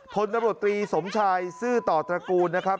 พลตำรวจตรีสมชายซื่อต่อตระกูลนะครับ